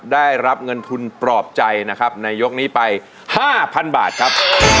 ได้รับเงินทุนปลอบใจนะครับในยกนี้ไป๕๐๐บาทครับ